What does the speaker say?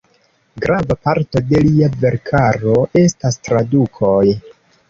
Grava parto de lia verkaro estas tradukoj.